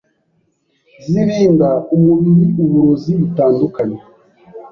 zirinda umubiri uburozi butandukanye,